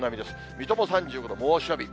水戸も３５度、猛暑日。